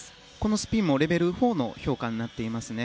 スピンもレベル４の評価になっています。